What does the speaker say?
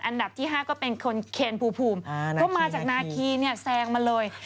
อันดับที่๕ก็เป็นคนเคนภูมิก็มาจากนาคีเนี่ยแซงมาเลย